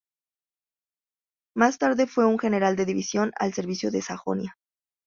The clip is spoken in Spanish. Más tarde fue un General de División al servicio de Sajonia.